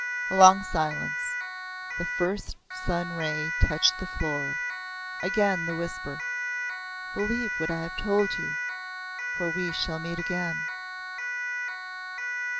A long silence. The first sun ray touched the floor. Again the whisper. "Believe what I have told you. For we shall meet again."